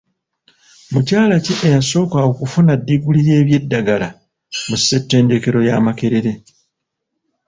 Mukyala ki eyasooka okufuna diguli y'ebyeddagala mu ssettendekero ya Makerere?